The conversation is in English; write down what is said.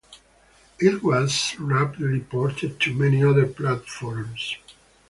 It was rapidly ported to many other platforms.